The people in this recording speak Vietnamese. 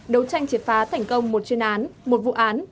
đấu tranh triệt phá thành công một chuyên án một vụ án